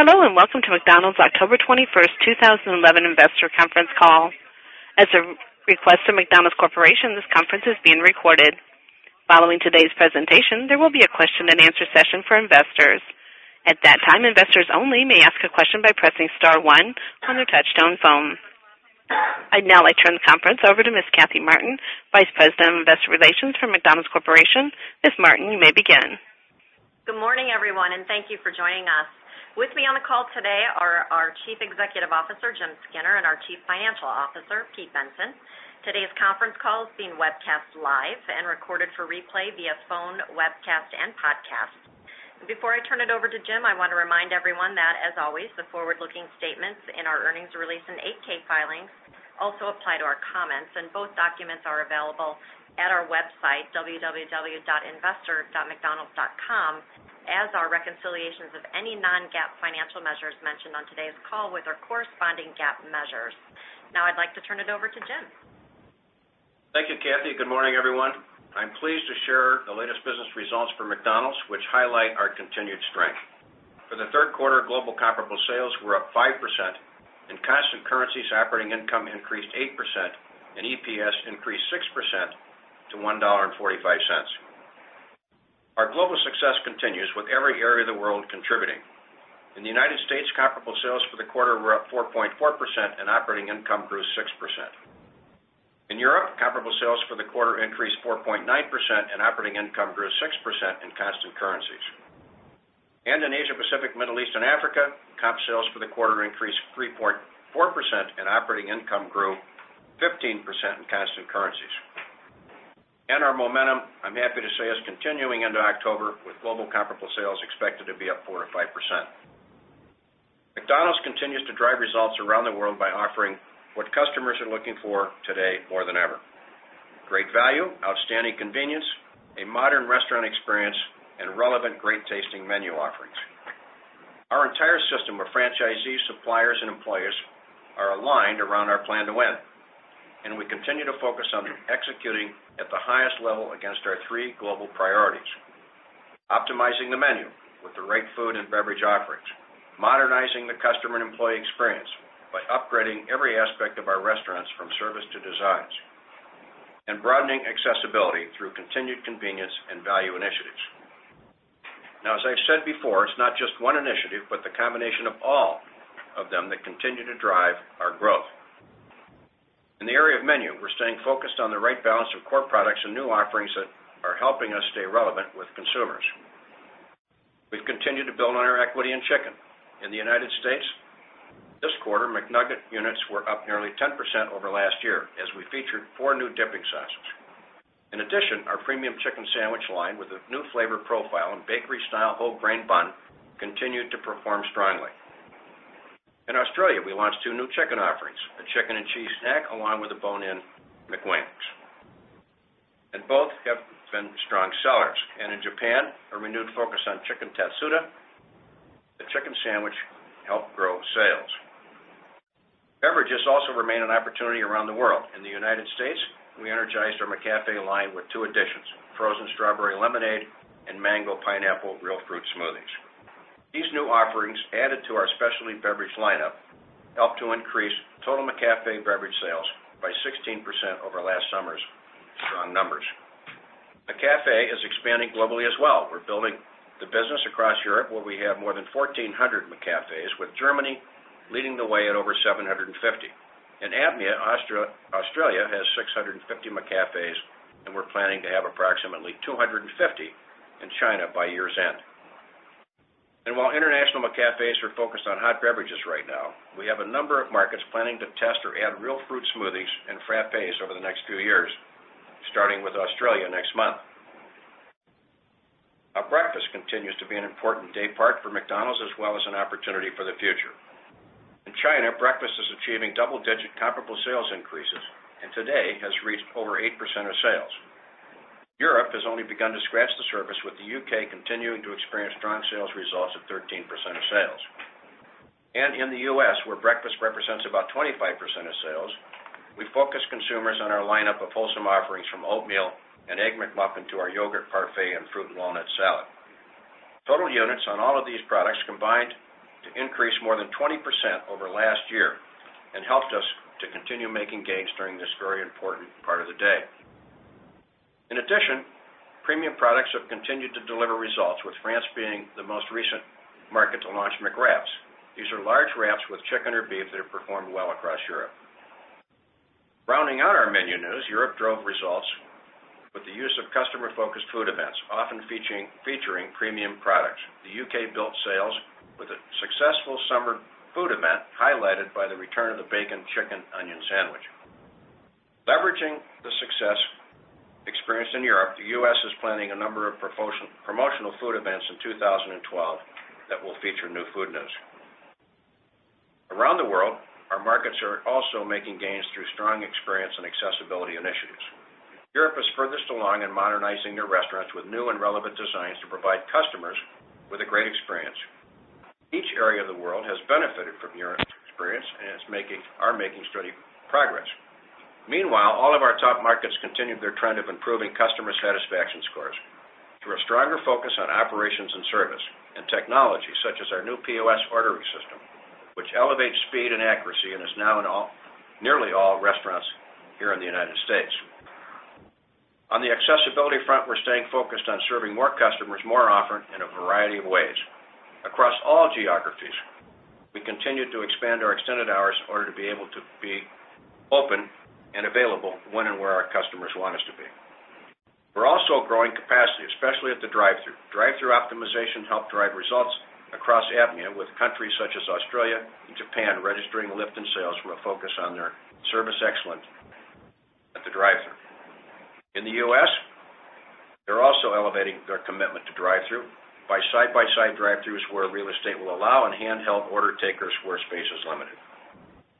Hello, and welcome to McDonald's October 21st, 2011 Investor Conference Call. At the request of McDonald's Corporation, this conference is being recorded. Following today's presentation, there will be a question and answer session for Investors. At that time, Investors only may ask a question by pressing star one on their touch-tone phone. I'd now like to turn the conference over to Ms. Cathy Martin, Vice President of Investor Relations for McDonald's Corporation. Ms. Martin, you may begin. Good morning, everyone, and thank you for joining us. With me on the call today are our Chief Executive Officer, Jim Skinner, and our Chief Financial Officer, Pete Bensen. Today's conference call is being webcast live and recorded for replay via phone, webcast, and podcast. Before I turn it over to James, I want to remind everyone that, as always, the forward-looking statements in our earnings release and 8-K filings also apply to our comments, and both documents are available at our website, www.investor.mcdonalds.com, as are reconciliations of any non-GAAP financial measures mentioned on today's call with our corresponding GAAP measures. Now I'd like to turn it over to Jim. Thank you, Kathy. Good morning, everyone. I'm pleased to share the latest business results for McDonald's, which highlight our continued strength. For the third quarter, global comparable sales were up 5%, and constant currencies operating income increased 8%, and EPS increased 6% to $1.45. Our global success continues with every area of the world contributing. In the United States, comparable sales for the quarter were up 4.4%, and operating income grew 6%. In Europe, comparable sales for the quarter increased 4.9%, and operating income grew 6% in constant currencies. In Asia-Pacific, Middle East, and Africa, comparable sales for the quarter increased 3.4%, and operating income grew 15% in constant currencies. Our momentum, I'm happy to say, is continuing into October with global comparable sales expected to be up 4% to 5%. McDonald's continues to drive results around the world by offering what customers are looking for today more than ever: great value, outstanding convenience, a modern restaurant experience, and relevant great tasting menu offerings. Our entire system of franchisees, suppliers, and employees are aligned around our Plan to Win, and we continue to focus on executing at the highest level against our three global priorities: optimizing the menu with the right food and beverage offerings, modernizing the customer and employee experience by upgrading every aspect of our restaurants from service to designs, and broadening accessibility through continued convenience and value initiatives. As I've said before, it's not just one initiative, but the combination of all of them that continue to drive our growth. In the area of menu, we're staying focused on the right balance of core products and new offerings that are helping us stay relevant with consumers. We've continued to build on our equity in chicken. In the United States, this quarter, McNugget units were up nearly 10% over last year as we featured four new dipping sizes. In addition, our premium chicken sandwich line with a new flavor profile and bakery-style whole grain bun continued to perform strongly. In Australia, we launched two new chicken offerings: a chicken and cheese snack along with a bone-in McWings. Both have been strong sellers. In Japan, a renewed focus on Chicken Tatsuta, the chicken sandwich, helped grow sales. Beverages also remain an opportunity around the world. In the United States, we energized our McCafé line with two additions: frozen strawberry lemonade and mango pineapple real fruit smoothies. These new offerings, added to our specialty beverage lineup, helped to increase total McCafé beverage sales by 16% over last summer's strong numbers. McCafé is expanding globally as well. We're building the business across Europe, where we have more than 1,400 McCafés, with Germany leading the way at over 750. APMEA Australia has 650 McCafés, and we're planning to have approximately 250 in China by year's end. While international McCafés are focused on hot beverages right now, we have a number of markets planning to test or add real fruit smoothies and frappés over the next few years, starting with Australia next month. Our breakfast continues to be an important day part for McDonald's as well as an opportunity for the future. In China, breakfast is achieving double-digit comparable sales increases and today has reached over 8% of sales. Europe has only begun to scratch the surface, with the U.K. continuing to experience strong sales results of 13% of sales. In the U.S., where breakfast represents about 25% of sales, we focus consumers on our lineup of wholesome offerings from oatmeal and Egg McMuffin to our yogurt parfait and fruit and walnut salad. Total units on all of these products combined to increase more than 20% over last year and helped us to continue making gains during this very important part of the day. In addition, premium products have continued to deliver results, with France being the most recent market to launch McWraps. These are large wraps with chicken or beef that have performed well across Europe. Rounding out our menu news, Europe drove results with the use of customer-focused food events, often featuring premium products. The U.K. built sales with a successful summer food event highlighted by the return of the bacon, chicken, and onion sandwich. Leveraging the success experienced in Europe, the U.S. is planning a number of promotional food events in 2012 that will feature new food news. Around the world, our markets are also making gains through strong experience and accessibility initiatives. Europe is further along in modernizing their restaurants with new and relevant designs to provide customers with a great experience. Each area of the world has benefited from Europe's experience and are making steady progress. Meanwhile, all of our top markets continue their trend of improving customer satisfaction scores through a stronger focus on operations and service and technology, such as our new POS ordering system, which elevates speed and accuracy in nearly all restaurants here in the U.S. On the accessibility front, we're staying focused on serving more customers more often in a variety of ways across all geographies. We continue to expand our extended hours in order to be able to be open and available when and where our customers want us to be. We're also growing capacity, especially at the drive-thru. Drive-thru optimization helped drive results across APMEA, with countries such as Australia and Japan registering lift in sales from a focus on their service excellence at the drive-thru. In the U.S., they're also elevating their commitment to drive-thru by side-by-side drive-thrus where real estate will allow and handheld order takers where space is limited.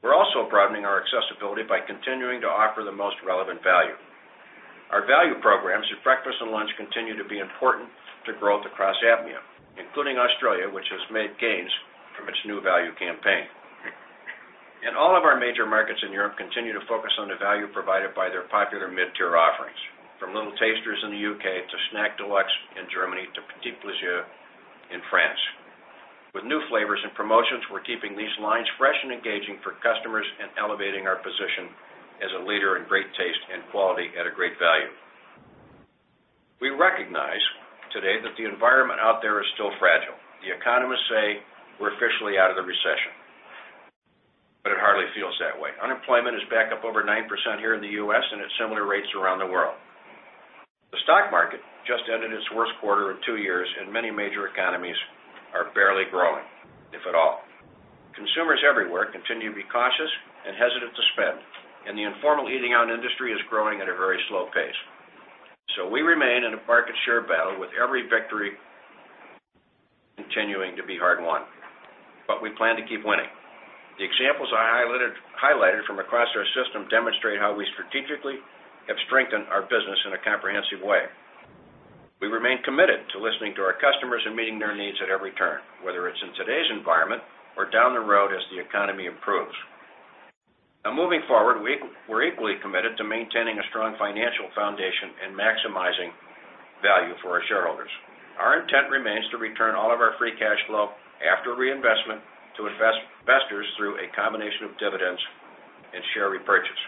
We're also broadening our accessibility by continuing to offer the most relevant value. Our value programs at breakfast and lunch continue to be important to growth across APMEA, including Australia, which has made gains from its new value campaign. All of our major markets in Europe continue to focus on the value provided by their popular mid-tier offerings, from Little Tasters in the U.K. to Snack Deluxe in Germany to P'tit Plaisir in France. With new flavors and promotions, we're keeping these lines fresh and engaging for customers and elevating our position as a leader in great taste and quality at a great value. We recognize today that the environment out there is still fragile. The economists say we're officially out of the recession, but it hardly feels that way. Unemployment is back up over 9% here in the U.S. and at similar rates around the world. The stock market just ended its worst quarter in two years, and many major economies are barely growing, if at all. Consumers everywhere continue to be cautious and hesitant to spend, and the informal eating out industry is growing at a very slow pace. We remain in a market share battle with every victory continuing to be hard-won, but we plan to keep winning. The examples I highlighted from across our system demonstrate how we strategically have strengthened our business in a comprehensive way. We remain committed to listening to our customers and meeting their needs at every turn, whether it's in today's environment or down the road as the economy improves. Now, moving forward, we're equally committed to maintaining a strong financial foundation and maximizing value for our Shareholders. Our intent remains to return all of our free cash flow after reinvestment to Investors through a combination of dividends and share repurchases.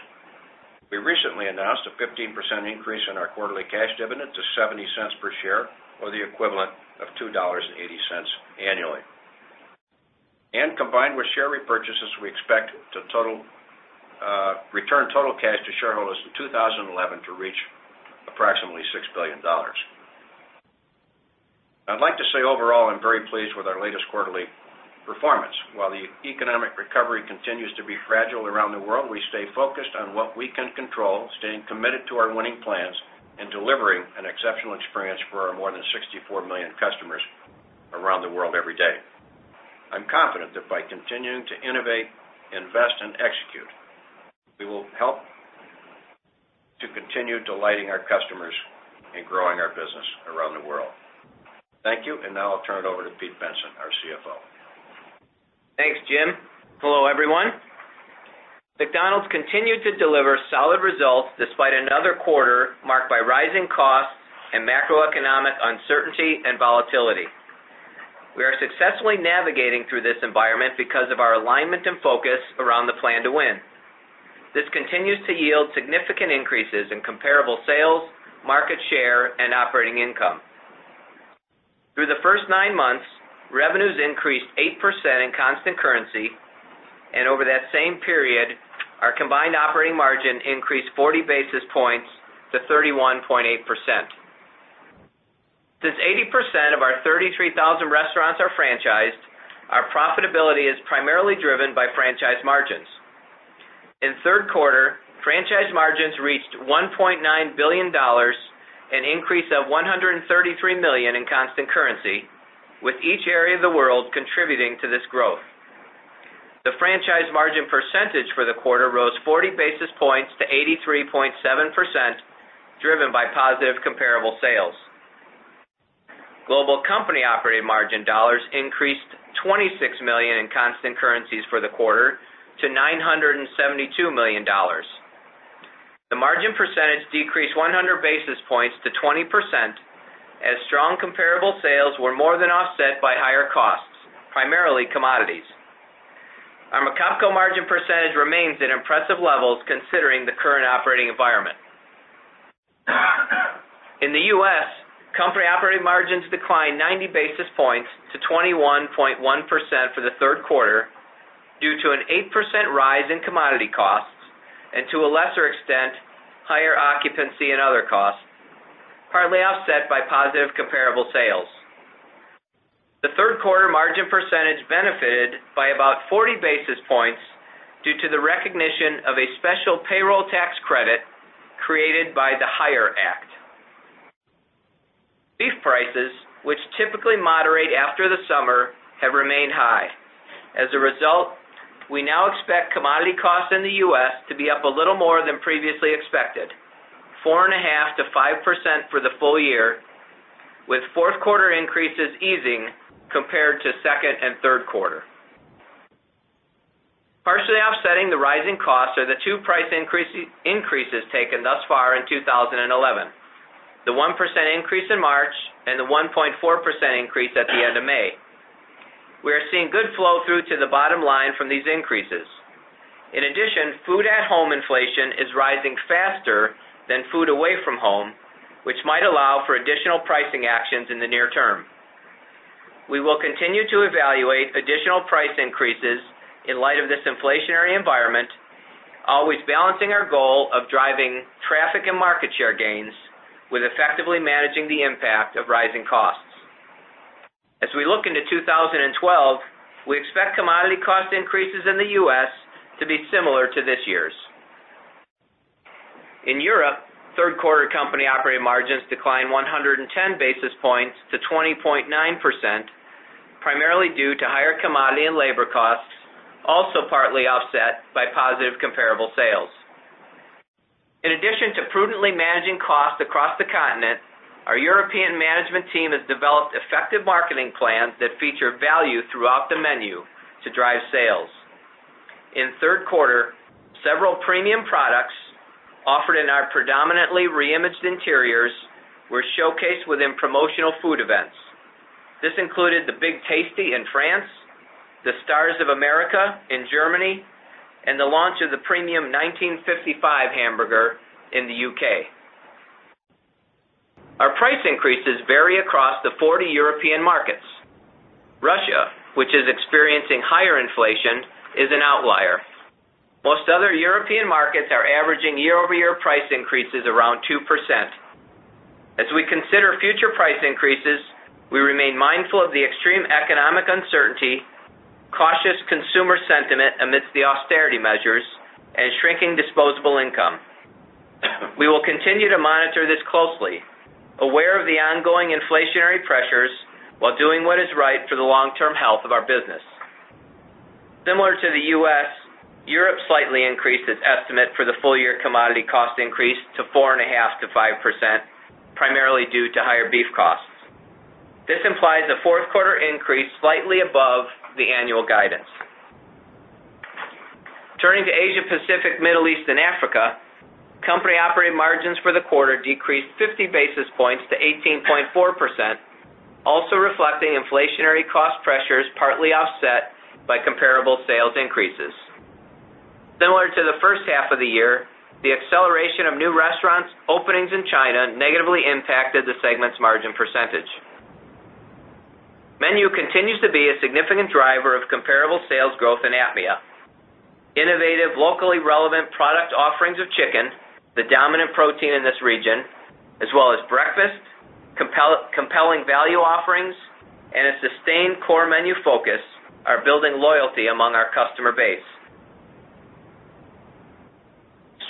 We recently announced a 15% increase in our quarterly cash dividend to $0.70 per share, or the equivalent of $2.80 annually. Combined with share repurchases, we expect to return total cash to Shareholders in 2011 to reach approximately $6 billion. I'd like to say overall, I'm very pleased with our latest quarterly performance. While the economic recovery continues to be fragile around the world, we stay focused on what we can control, staying committed to our winning plans and delivering an exceptional experience for our more than 64 million customers around the world every day. I'm confident that by continuing to innovate, invest, and execute, we will help to continue delighting our customers and growing our business around the world. Thank you, and now I'll turn it over to Pete Bensen, our CFO. Thanks, Jim. Hello, everyone. McDonald's continued to deliver solid results despite another quarter marked by rising costs and macroeconomic uncertainty and volatility. We are successfully navigating through this environment because of our alignment and focus around the Plan to Win. This continues to yield significant increases in comparable sales, market share, and operating income. Through the first nine months, revenues increased 8% in constant currencies, and over that same period, our combined operating margin increased 40 basis points to 31.8%. Since 80% of our 33,000 restaurants are franchised, our profitability is primarily driven by franchise margins. In the third quarter, franchise margins reached $1.9 billion, an increase of $133 million in constant currencies, with each area of the world contributing to this growth. The franchise margin percentage for the quarter rose 40 basis points to 83.7%, driven by positive comparable sales. Global company operating margin dollars increased $26 million in constant currencies for the quarter to $972 million. The margin percentage decreased 100 basis points to 20%, as strong comparable sales were more than offset by higher costs, primarily commodities. Our franchise margin percentage remains at impressive levels considering the current operating environment. In the U.S., company operating margins declined 90 basis points to 21.1% for the third quarter due to an 8% rise in commodity costs and, to a lesser extent, higher occupancy and other costs, partly offset by positive comparable sales. The third quarter margin percentage benefited by about 40 basis points due to the recognition of a special payroll tax credit created by the HIRE Act. Beef prices, which typically moderate after the summer, have remained high. As a result, we now expect commodity costs in the U.S. to be up a little more than previously expected, 4.5%-5% for the full year, with fourth quarter increases easing compared to second and third quarter. Partially offsetting the rising costs are the two price increases taken thus far in 2011: the 1% increase in March and the 1.4% increase at the end of May. We are seeing good flow through to the bottom line from these increases. In addition, food at home inflation is rising faster than food away from home, which might allow for additional pricing actions in the near term. We will continue to evaluate additional price increases in light of this inflationary environment, always balancing our goal of driving traffic and market share gains with effectively managing the impact of rising costs. As we look into 2012, we expect commodity cost increases in the U.S. to be similar to this year's. In Europe, third quarter company operating margins declined 110 basis points to 20.9%, primarily due to higher commodity and labor costs, also partly offset by positive comparable sales. In addition to prudently managing costs across the continent, our European management team has developed effective marketing plans that feature value throughout the menu to drive sales. In the third quarter, several premium products offered in our predominantly reimaged interiors were showcased within promotional food events. This included the Big Tasty in France, the Stars of America in Germany, and the launch of the premium 1955 hamburger in the U.K. Our price increases vary across the 40 European markets. Russia, which is experiencing higher inflation, is an outlier. Most other European markets are averaging year-over-year price increases around 2%. As we consider future price increases, we remain mindful of the extreme economic uncertainty, cautious consumer sentiment amidst the austerity measures, and shrinking disposable income. We will continue to monitor this closely, aware of the ongoing inflationary pressures while doing what is right for the long-term health of our business. Similar to the U.S., Europe slightly increased its estimate for the full year commodity cost increase to 4.5%-5%, primarily due to higher beef costs. This implies a fourth quarter increase slightly above the annual guidance. Turning to Asia-Pacific, Middle East, and Africa, company operating margins for the quarter decreased 50 basis points to 18.4%, also reflecting inflationary cost pressures partly offset by comparable sales increases. Similar to the first half of the year, the acceleration of new restaurant openings in China negatively impacted the segment's margin percentage. The menu continues to be a significant driver of comparable sales growth in APMEA. Innovative, locally relevant product offerings of chicken, the dominant protein in this region, as well as breakfast, compelling value offerings, and a sustained core menu focus are building loyalty among our customer base.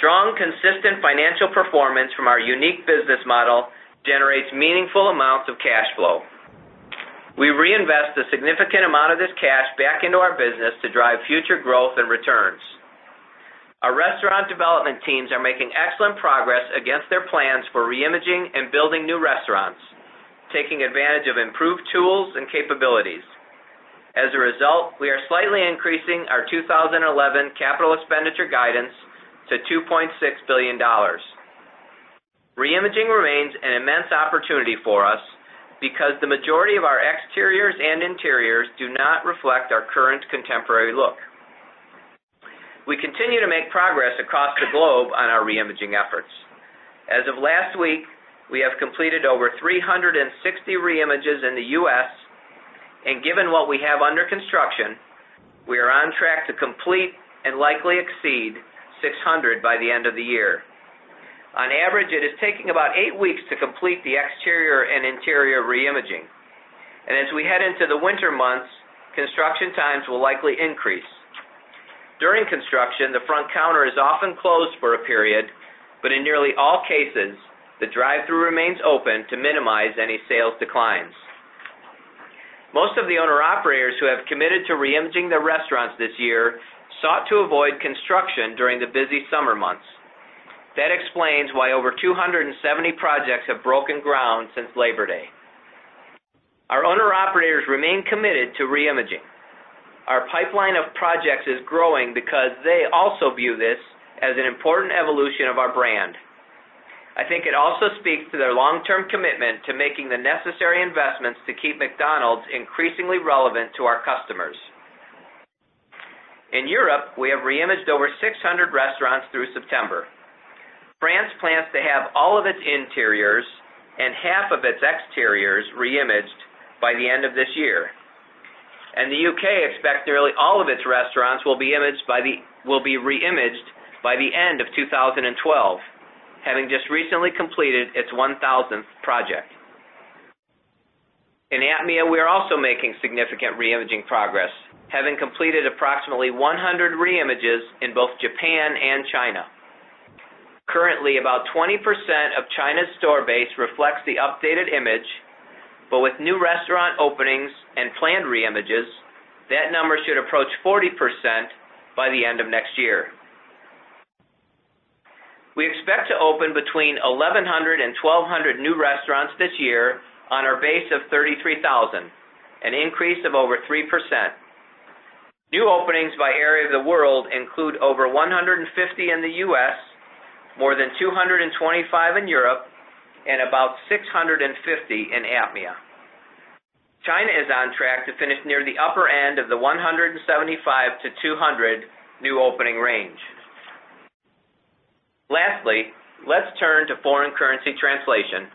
Strong, consistent financial performance from our unique business model generates meaningful amounts of cash flow. We reinvest a significant amount of this cash back into our business to drive future growth and returns. Our restaurant development teams are making excellent progress against their plans for reimaging and building new restaurants, taking advantage of improved tools and capabilities. As a result, we are slightly increasing our 2011 capital expenditure guidance to $2.6 billion. Reimaging remains an immense opportunity for us because the majority of our exteriors and interiors do not reflect our current contemporary look. We continue to make progress across the globe on our reimaging efforts. As of last week, we have completed over 360 reimages in the U.S., and given what we have under construction, we are on track to complete and likely exceed 600 by the end of the year. On average, it is taking about eight weeks to complete the exterior and interior reimaging, and as we head into the winter months, construction times will likely increase. During construction, the front counter is often closed for a period, but in nearly all cases, the drive-thru remains open to minimize any sales declines. Most of the owner-operators who have committed to reimaging their restaurants this year sought to avoid construction during the busy summer months. That explains why over 270 projects have broken ground since Labor Day. Our owner-operators remain committed to reimaging. Our pipeline of projects is growing because they also view this as an important evolution of our brand. I think it also speaks to their long-term commitment to making the necessary investments to keep McDonald's increasingly relevant to our customers. In Europe, we have reimaged over 600 restaurants through September. France plans to have all of its interiors and half of its exteriors reimaged by the end of this year. The U.K. expects nearly all of its restaurants will be reimaged by the end of 2012, having just recently completed its 1,000th project. In APMEA, we are also making significant reimaging progress, having completed approximately 100 reimages in both Japan and China. Currently, about 20% of China's store base reflects the updated image, but with new restaurant openings and planned reimages, that number should approach 40% by the end of next year. We expect to open between 1,100 and 1,200 new restaurants this year on our base of 33,000, an increase of over 3%. New openings by area of the world include over 150 in the U.S., more than 225 in Europe, and about 650 in APMEA. China is on track to finish near the upper end of the 175-200 new opening range. Lastly, let's turn to foreign currency translation,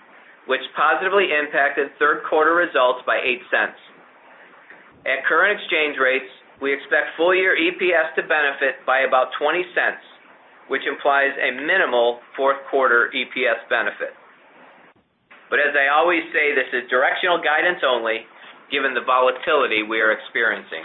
which positively impacted third quarter results by $0.08. At current exchange rates, we expect full-year EPS to benefit by about $0.20, which implies a minimal fourth quarter EPS benefit. As I always say, this is directional guidance only given the volatility we are experiencing.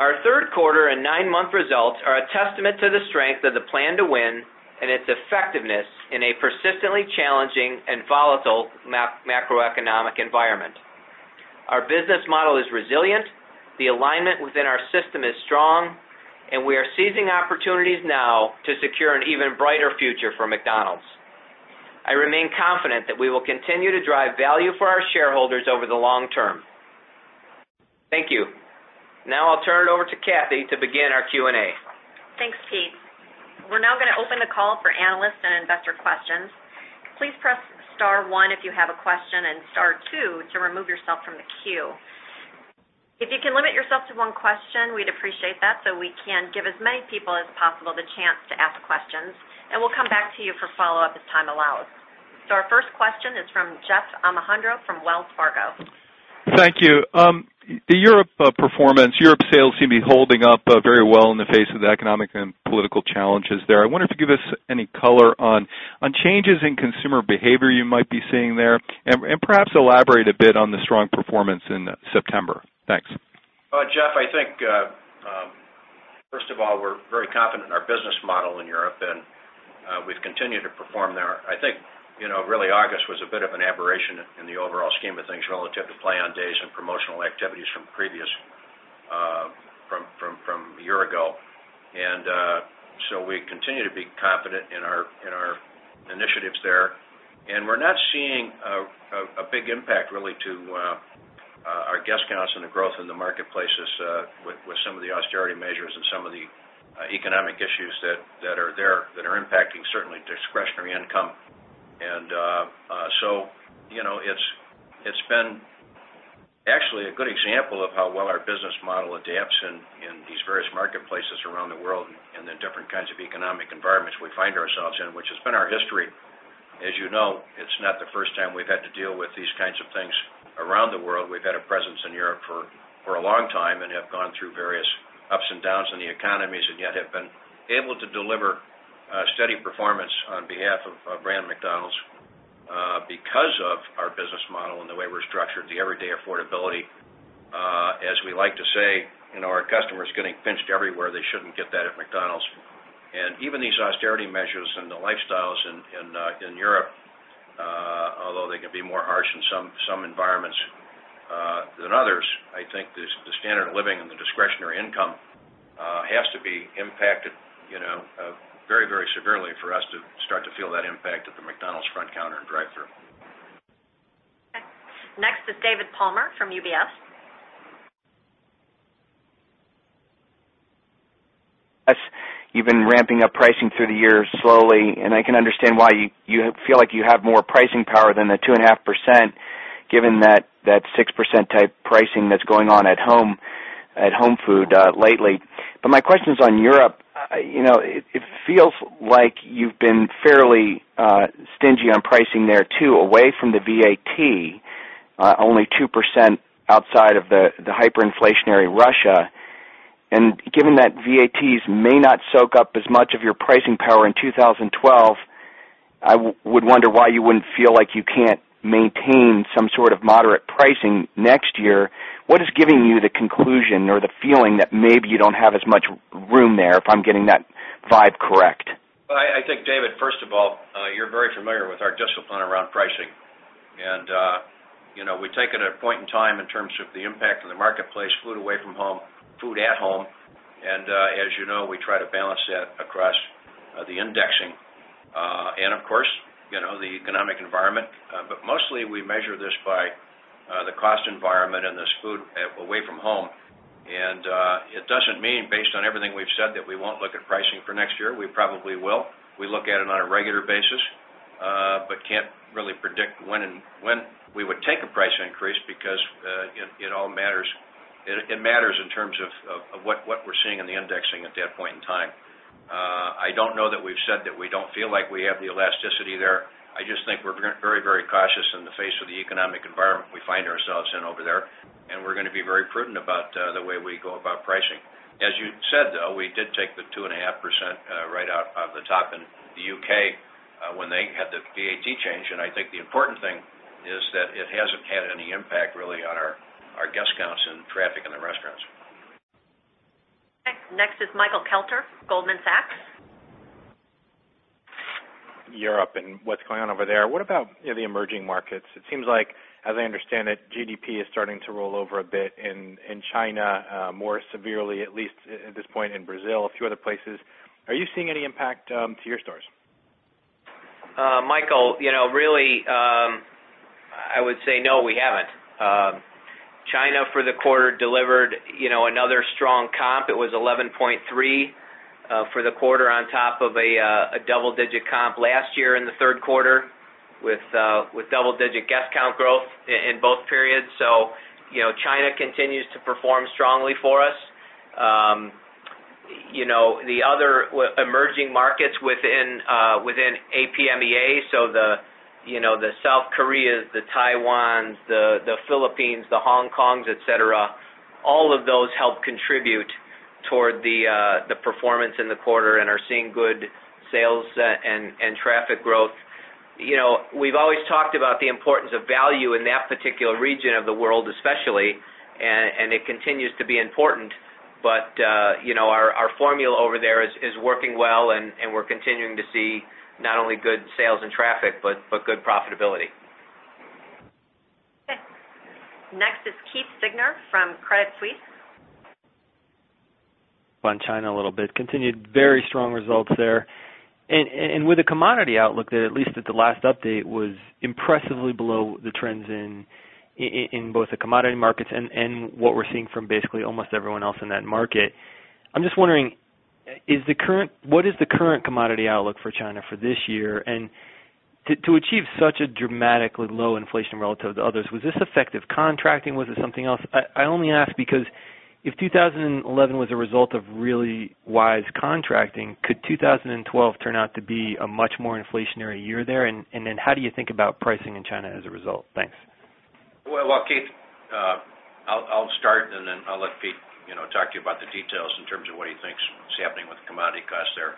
Our third quarter and nine-month results are a testament to the strength of the Plan to Win and its effectiveness in a persistently challenging and volatile macroeconomic environment. Our business model is resilient, the alignment within our system is strong, and we are seizing opportunities now to secure an even brighter future for McDonald's. I remain confident that we will continue to drive value for our shareholders over the long term. Thank you. Now I'll turn it over to Cathy to begin our Q&A. Thanks, Pete. We're now going to open the call for analysts and investor questions. Please press star one if you have a question and star two to remove yourself from the queue. If you can limit yourself to one question, we'd appreciate that so we can give as many people as possible the chance to ask questions, and we'll come back to you for follow-up as time allows. Our first question is from Jeff Alejandro from Wells Fargo. Thank you. The Europe performance, Europe's sales seem to be holding up very well in the face of the economic and political challenges there. I wonder if you could give us any color on changes in consumer behavior you might be seeing there and perhaps elaborate a bit on the strong performance in September. Thanks. Jeff, I think first of all, we're very confident in our business model in Europe, and we've continued to perform there. I think, you know, really August was a bit of an aberration in the overall scheme of things relative to plan days and promotional activities from previous, from a year ago. We continue to be confident in our initiatives there, and we're not seeing a big impact really to our guest counts and the growth in the marketplaces with some of the austerity measures and some of the economic issues that are there that are impacting certainly discretionary income. It's been actually a good example of how well our business model adapts in these various marketplaces around the world and in different kinds of economic environments we find ourselves in, which has been our history. As you know, it's not the first time we've had to deal with these kinds of things around the world. We've had a presence in Europe for a long time and have gone through various ups and downs in the economies and yet have been able to deliver steady performance on behalf of a brand McDonald's because of our business model and the way we're structured, the everyday affordability. As we like to say, you know, our customers are getting pinched everywhere; they shouldn't get that at McDonald's. Even these austerity measures and the lifestyles in Europe, although they can be more harsh in some environments than others, I think the standard of living and the discretionary income has to be impacted, you know, very, very severely for us to start to feel that impact at the McDonald's front counter and drive-thru. Okay. Next is David Palmer from UBS. You've been ramping up pricing through the years slowly, and I can understand why you feel like you have more pricing power than the 2.5%, given that 6% type pricing that's going on at home, at home food lately. My question is on Europe. It feels like you've been fairly stingy on pricing there too, away from the VAT, only 2% outside of the hyperinflationary Russia. Given that VATs may not soak up as much of your pricing power in 2012, I would wonder why you wouldn't feel like you can't maintain some sort of moderate pricing next year. What is giving you the conclusion or the feeling that maybe you don't have as much room there, if I'm getting that vibe correct? I think, David, first of all, you're very familiar with our discipline around pricing. You know, we've taken a point in time in terms of the impact of the marketplace, food away from home, food at home. As you know, we try to balance that across the indexing and, of course, the economic environment. Mostly, we measure this by the cost environment and this food away from home. It doesn't mean, based on everything we've said, that we won't look at pricing for next year. We probably will. We look at it on a regular basis, but can't really predict when we would take a price increase because it all matters. It matters in terms of what we're seeing in the indexing at that point in time. I don't know that we've said that we don't feel like we have the elasticity there. I just think we're very, very cautious in the face of the economic environment we find ourselves in over there, and we're going to be very prudent about the way we go about pricing. As you said, though, we did take the 2.5% right out of the top in the U.K. when they had the VAT change. I think the important thing is that it hasn't had any impact really on our guest counts and traffic in the restaurants. Thanks. Next is Michael Kelter, Goldman Sachs. Europe and what's going on over there. What about the emerging markets? It seems like, as I understand it, GDP is starting to roll over a bit in China, more severely at least at this point in Brazil, a few other places. Are you seeing any impact to your stores? Michael, you know, really, I would say no, we haven't. China for the quarter delivered another strong comp. It was 11.3% for the quarter, on top of a double-digit comp last year in the third quarter with double-digit guest count growth in both periods. China continues to perform strongly for us. The other emerging markets within APMEA, so the South Koreas, the Taiwans, the Philippines, the Hong Kongs, etc., all of those help contribute toward the performance in the quarter and are seeing good sales and traffic growth. We've always talked about the importance of value in that particular region of the world especially, and it continues to be important. Our formula over there is working well, and we're continuing to see not only good sales and traffic but good profitability. Okay. Next is Keith Siegner from Credit Suisse. On China a little bit. Continued very strong results there, with the commodity outlook that, at least at the last update, was impressively below the trends in both the commodity markets and what we're seeing from basically almost everyone else in that market. I'm just wondering, what is the current commodity outlook for China for this year? To achieve such a dramatically low inflation relative to others, was this effective contracting? Was it something else? I only ask because if 2011 was a result of really wise contracting, could 2012 turn out to be a much more inflationary year there? How do you think about pricing in China as a result? Thanks. Keith, I'll start, and then I'll let Pete talk to you about the details in terms of what he thinks is happening with the commodity costs there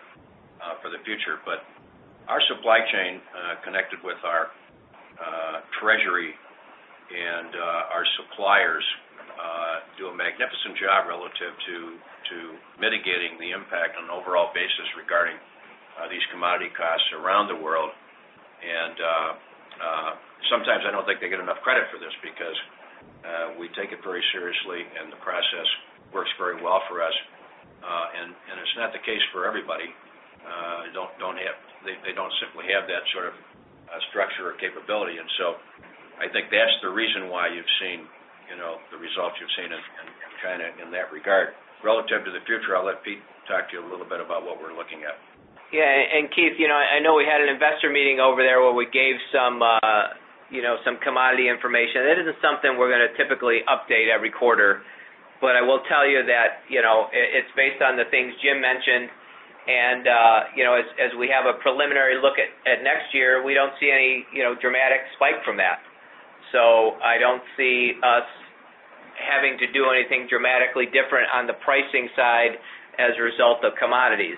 for the future. Our supply chain connected with our Treasury and our suppliers do a magnificent job relative to mitigating the impact on the overall basis regarding these commodity costs around the world. Sometimes I don't think they get enough credit for this because we take it very seriously, and the process works very well for us. It's not the case for everybody. They don't simply have that sort of structure or capability. I think that's the reason why you've seen the results you've seen in China in that regard. Relative to the future, I'll let Pete talk to you a little bit about what we're looking at. Yeah. Keith, I know we had an investor meeting over there where we gave some commodity information. That isn't something we're going to typically update every quarter. I will tell you that it's based on the things Jim mentioned. As we have a preliminary look at next year, we don't see any dramatic spike from that. I don't see us having to do anything dramatically different on the pricing side as a result of commodities.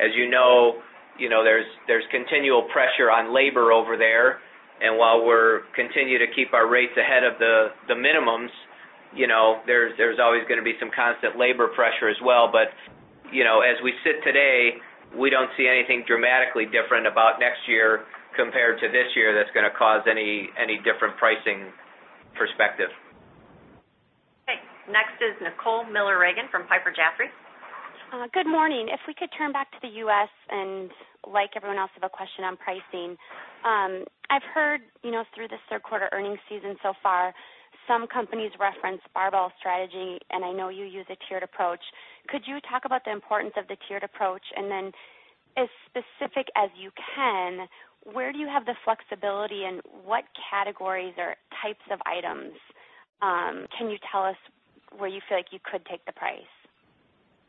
As you know, there's continual pressure on labor over there. While we continue to keep our rates ahead of the minimums, there's always going to be some constant labor pressure as well. As we sit today, we don't see anything dramatically different about next year compared to this year that's going to cause any different pricing perspective. Okay. Next is Nicole Miller Regan from Piper Jaffray. Good morning. If we could turn back to the U.S. and, like everyone else, have a question on pricing. I've heard, you know, through this third quarter earnings season so far, some companies reference barbell strategy, and I know you use a tiered approach. Could you talk about the importance of the tiered approach? As specific as you can, where do you have the flexibility, and what categories or types of items can you tell us where you feel like you could take the price?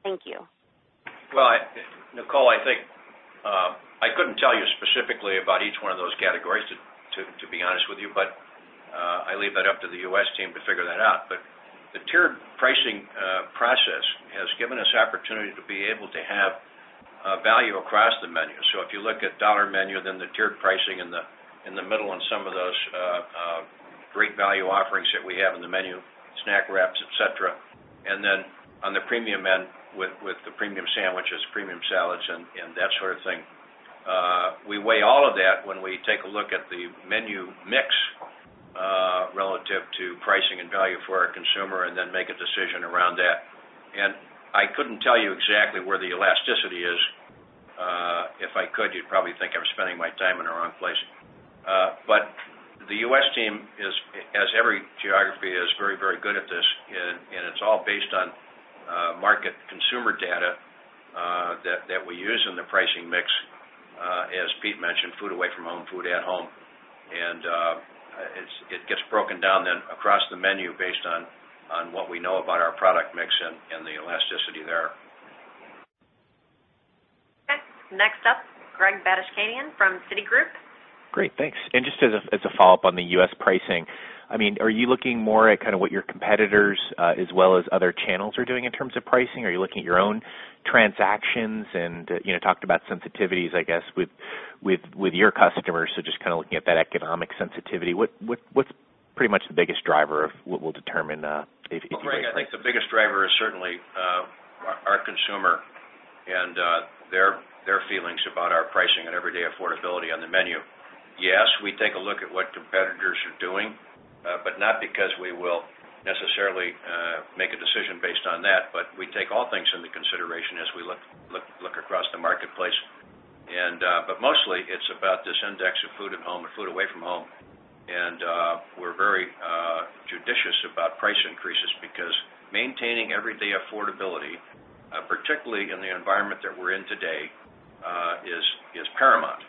Thank you. Nicole, I think I couldn't tell you specifically about each one of those categories, to be honest with you. I leave that up to the U.S. team to figure that out. The tiered pricing process has given us the opportunity to be able to have value across the menu. If you look at Dollar Menu, then the tiered pricing in the middle on some of those great value offerings that we have in the menu, Snack Wraps, etc., and then on the premium end with the premium sandwiches, premium salads, and that sort of thing. We weigh all of that when we take a look at the menu mix relative to pricing and value for a consumer and then make a decision around that. I couldn't tell you exactly where the elasticity is. If I could, you'd probably think I'm spending my time in the wrong place. The U.S. team is, as every geography, very, very good at this, and it's all based on market consumer data that we use in the pricing mix. As Pete mentioned, food away from home, food at home. It gets broken down then across the menu based on what we know about our product mix and the elasticity there. Next up, Greg Badishkanian from Citi Group. Great. Thanks. Just as a follow-up on the U.S. pricing, are you looking more at what your competitors, as well as other channels, are doing in terms of pricing? Are you looking at your own transactions and talked about sensitivities, I guess, with your customers? Just looking at that economic sensitivity, what's pretty much the biggest driver of what will determine if you think? Greg, I think the biggest driver is certainly our consumer and their feelings about our pricing and everyday affordability on the menu. Yes, we take a look at what competitors are doing, not because we will necessarily make a decision based on that. We take all things into consideration as we look across the marketplace. Mostly, it's about this index of food at home and food away from home. We're very judicious about price increases because maintaining everyday affordability, particularly in the environment that we're in today, is paramount.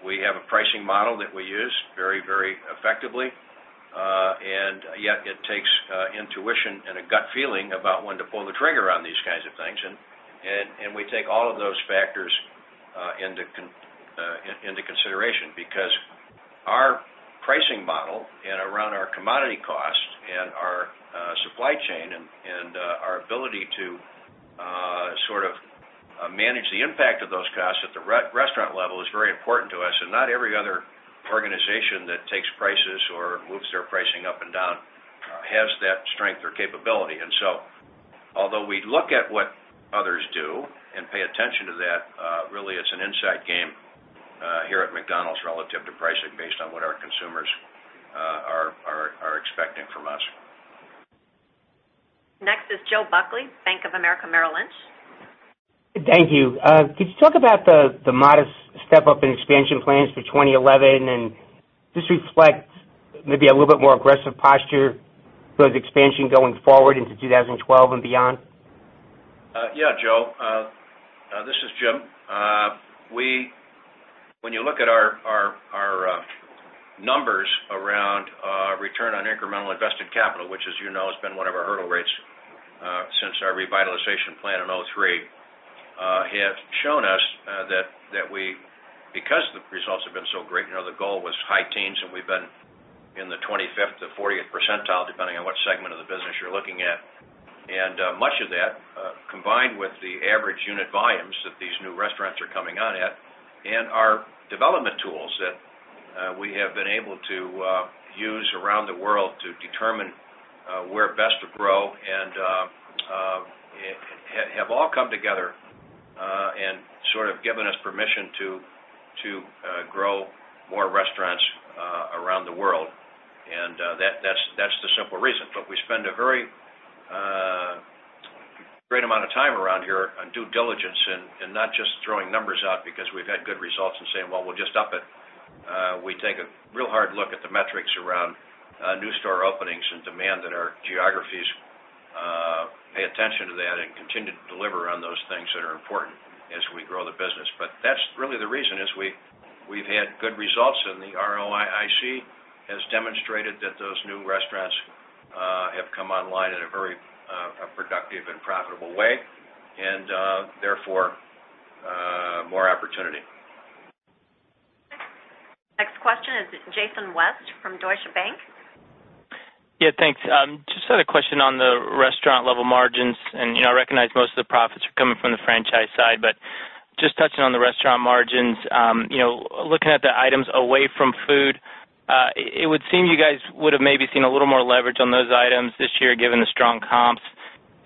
We have a pricing model that we use very, very effectively, yet it takes intuition and a gut feeling about when to pull the trigger on these kinds of things. We take all of those factors into consideration because our pricing model and around our commodity costs and our supply chain and our ability to sort of manage the impact of those costs at the restaurant level is very important to us. Not every other organization that takes prices or moves their pricing up and down has that strength or capability. Although we look at what others do and pay attention to that, really, it's an inside game here at McDonald's relative to pricing based on what our consumers are expecting from us. Next is Joe Buckley, Bank of America Merrill Lynch. Thank you. Could you talk about the modest step-up in expansion plans for 2011, and just reflect maybe a little bit more aggressive posture towards expansion going forward into 2012 and beyond? Yeah, Joe. This is Jim. When you look at our numbers around return on incrementally invested capital, which, as you know, has been one of our hurdle rates since our revitalization plan in 2003, it has shown us that we, because the results have been so great, you know, the goal was high teens, and we've been in the 25%-40%, depending on what segment of the business you're looking at. Much of that, combined with the average unit volumes that these new restaurants are coming on at and our development tools that we have been able to use around the world to determine where best to grow, have all come together and sort of given us permission to grow more restaurants around the world. That's the simple reason. We spend a very great amount of time around here on due diligence and not just throwing numbers out because we've had good results and saying, "We'll just up it." We take a real hard look at the metrics around new store openings and demand in our geographies, pay attention to that, and continue to deliver on those things that are important as we grow the business. That's really the reason, we've had good results, and the ROIC has demonstrated that those new restaurants have come online in a very productive and profitable way, and therefore, more opportunity. Next question is Jason West from Deutsche Bank. Yeah, thanks. Just had a question on the restaurant-level margins. I recognize most of the profits are coming from the franchise side, but just touching on the restaurant margins, looking at the items away from food, it would seem you guys would have maybe seen a little more leverage on those items this year, given the strong comps,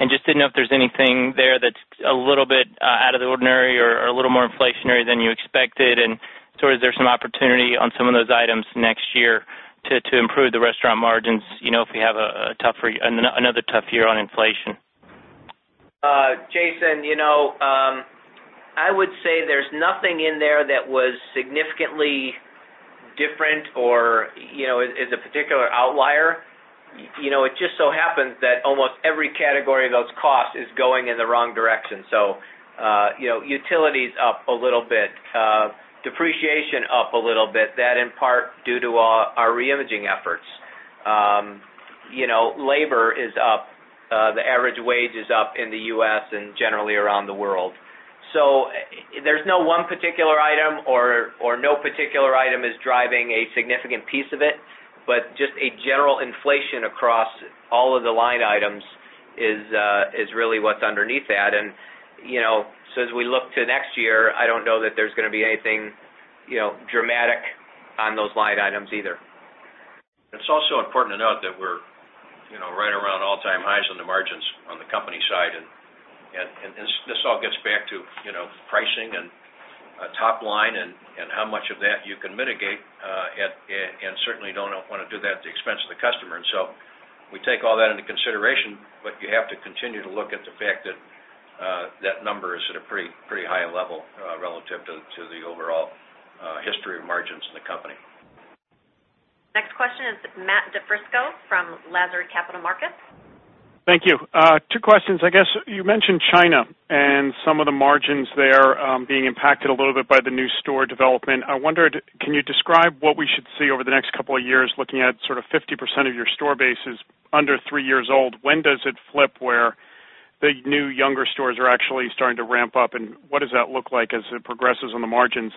and just didn't know if there's anything there that's a little bit out of the ordinary or a little more inflationary than you expected. Is there some opportunity on some of those items next year to improve the restaurant margins, if we have another tough year on inflation? Jason, I would say there's nothing in there that was significantly different or is a particular outlier. It just so happens that almost every category of those costs is going in the wrong direction. Utilities are up a little bit, depreciation is up a little bit, that in part due to our reimaging efforts. Labor is up. The average wage is up in the U.S. and generally around the world. There is no one particular item or no particular item is driving a significant piece of it, just a general inflation across all of the line items is really what's underneath that. As we look to next year, I don't know that there's going to be anything dramatic on those line items either. It's also important to note that we're right around all-time highs on the margins on the company side. This all gets back to pricing and top line and how much of that you can mitigate and certainly don't want to do that at the expense of the customer. We take all that into consideration, but you have to continue to look at the fact that that number is at a pretty high level relative to the overall history of margins in the company. Next question is Matt DiFrisco from Lazard Capital Markets. Thank you. Two questions. You mentioned China and some of the margins there being impacted a little bit by the new store development. I wondered, can you describe what we should see over the next couple of years, looking at sort of 50% of your store base is under three years old? When does it flip where the new younger stores are actually starting to ramp up, and what does that look like as it progresses on the margins?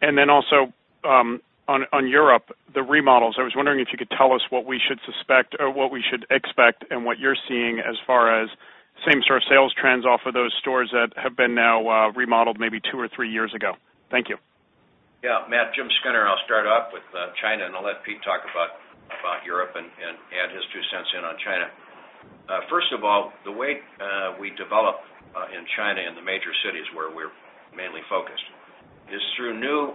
Also, on Europe, the remodels, I was wondering if you could tell us what we should expect and what you're seeing as far as same-store sales trends off of those stores that have been now remodeled maybe two or three years ago. Thank you. Yeah, Matt, Jim Skinner, I'll start off with China, and I'll let Pete talk about Europe and add his two cents in on China. First of all, the way we develop in China and the major cities where we're mainly focused is through new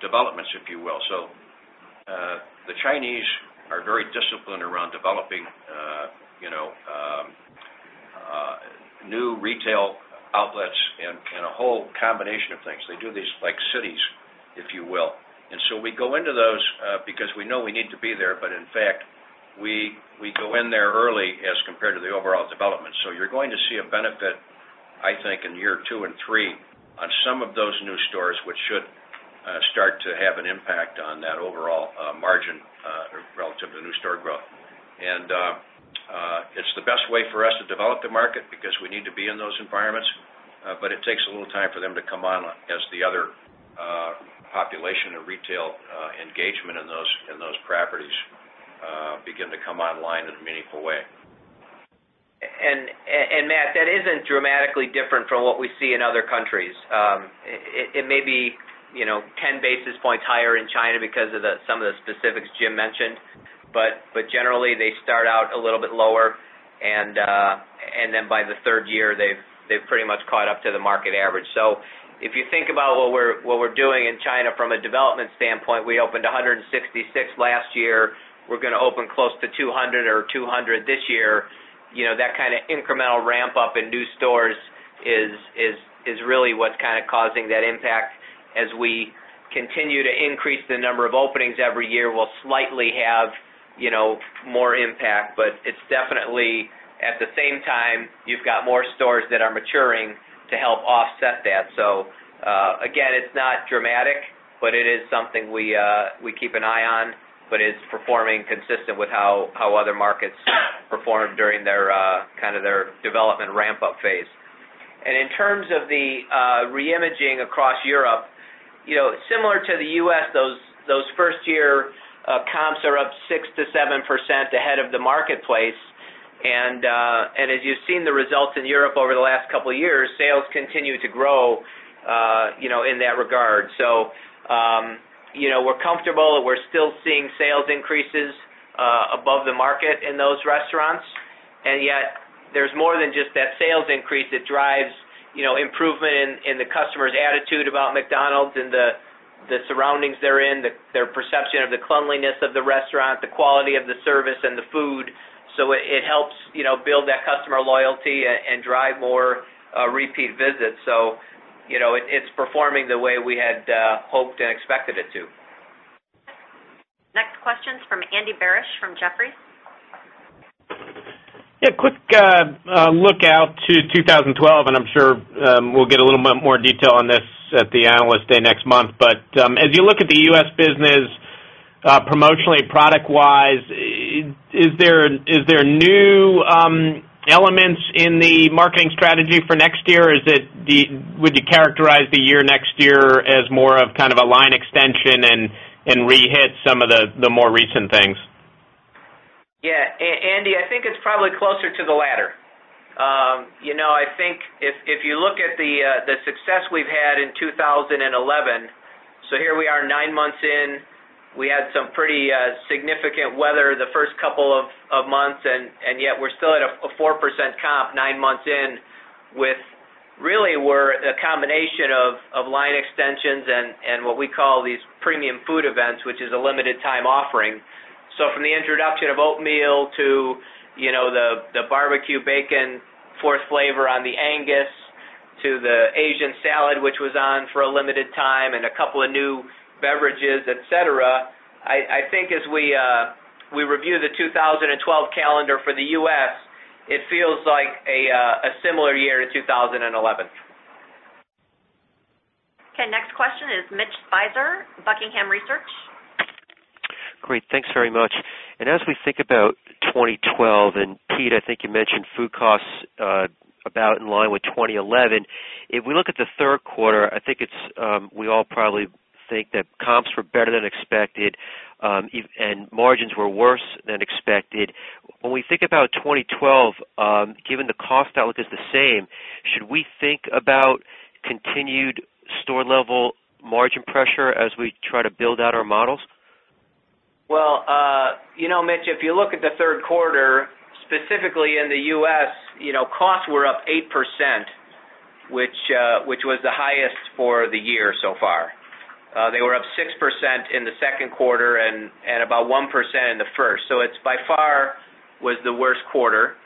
developments, if you will. The Chinese are very disciplined around developing new retail outlets and a whole combination of things. They do these like cities, if you will. We go into those because we know we need to be there, but in fact, we go in there early as compared to the overall development. You are going to see a benefit, I think, in year two and three on some of those new stores, which should start to have an impact on that overall margin relative to the new store growth. It is the best way for us to develop the market because we need to be in those environments, but it takes a little time for them to come on as the other population or retail engagement in those properties begin to come online in a meaningful way. Matt, that isn't dramatically different from what we see in other countries. It may be, you know, 10 basis points higher in China because of some of the specifics Jim mentioned, but generally, they start out a little bit lower, and then by the third year, they've pretty much caught up to the market average. If you think about what we're doing in China from a development standpoint, we opened 166 last year. We're going to open close to 200 or 200 this year. That kind of incremental ramp-up in new stores is really what's kind of causing that impact. As we continue to increase the number of openings every year, we'll slightly have, you know, more impact. It's definitely, at the same time, you've got more stores that are maturing to help offset that. Again, it's not dramatic, but it is something we keep an eye on, but it's performing consistent with how other markets performed during their development ramp-up phase. In terms of the reimaging across Europe, similar to the U.S., those first-year comps are up 6%-7% ahead of the marketplace. As you've seen the results in Europe over the last couple of years, sales continue to grow in that regard. We're comfortable that we're still seeing sales increases above the market in those restaurants. Yet there's more than just that sales increase that drives improvement in the customer's attitude about McDonald's and the surroundings they're in, their perception of the cleanliness of the restaurant, the quality of the service, and the food. It helps build that customer loyalty and drive more repeat visits. It's performing the way we had hoped and expected it to. Next question is from Andy Barish from Jefferies. Quick look out to 2012, and I'm sure we'll get a little bit more detail on this at the Analyst Day next month. As you look at the U.S. business promotionally, product-wise, is there new elements in the marketing strategy for next year? Would you characterize the year next year as more of kind of a line extension and rehit some of the more recent things? Yeah, Andy, I think it's probably closer to the latter. I think if you look at the success we've had in 2011, here we are nine months in. We had some pretty significant weather the first couple of months, and yet we're still at a 4% comp nine months in with really a combination of line extensions and what we call these premium food events, which is a limited-time offering. From the introduction of oatmeal to the barbecue bacon fourth flavor on the Angus to the Asian salad, which was on for a limited time, and a couple of new beverages, etc., I think as we review the 2012 calendar for the U.S., it feels like a similar year to 2011. Okay. Next question is Mitch Speiser, Buckingham Research. Great. Thanks very much. As we think about 2012 and Pete, I think you mentioned food costs about in line with 2011. If we look at the third quarter, I think we all probably think that comps were better than expected and margins were worse than expected. When we think about 2012, given the cost outlook is the same, should we think about continued store-level margin pressure as we try to build out our models? If you look at the third quarter, specifically in the U.S., costs were up 8%, which was the highest for the year so far. They were up 6% in the second quarter and about 1% in the first. It by far was the worst quarter.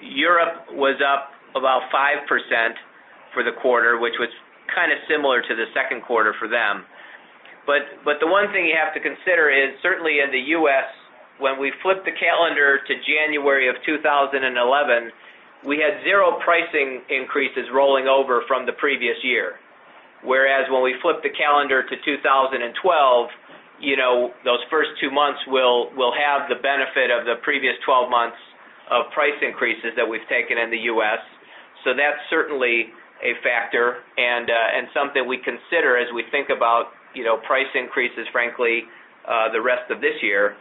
Europe was up about 5% for the quarter, which was kind of similar to the second quarter for them. The one thing you have to consider is certainly in the U.S., when we flip the calendar to January of 2011, we had zero pricing increases rolling over from the previous year. Whereas when we flip the calendar to 2012, those first two months will have the benefit of the previous 12 months of price increases that we've taken in the U.S. That's certainly a factor and something we consider as we think about price increases, frankly, the rest of this year.